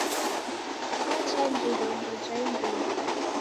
W'achanjiro indo ja imbiri.